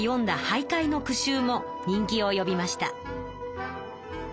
俳諧の句集も人気をよびました。